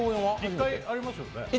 １回ありますよね？